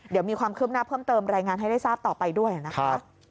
เดี๋ยวมีความคืบหน้าเพิ่มเติมรายงานให้ได้ทราบต่อไปด้วยนะคะ